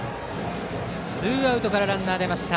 ツーアウトからランナーが出ました。